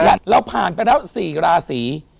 เราผ่านไปแล้ว๔ราศี